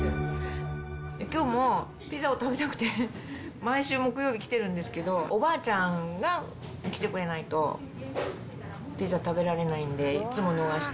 きょうもピザを食べたくて毎週木曜日、来てるんですけど、おばあちゃんが来てくれないとピザ食べられないんで、いつも逃して。